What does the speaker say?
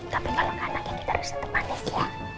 tapi kalau gak nanti kita harus tetap manis ya